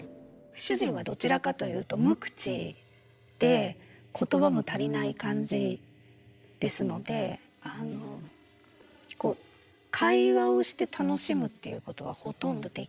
主人はどちらかというと無口で言葉も足りない感じですので会話をして楽しむっていうことはほとんどできない。